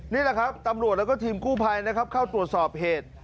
นี่แหละครับตำรวจแล้วก็ทีมกู้ภัยนะครับเข้าตรวจสอบเหตุ